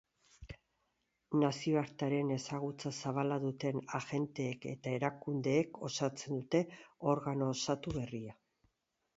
Nazioartearen ezagutza zabala duten agenteek eta erakundeek osatzen dute organo osatu berria.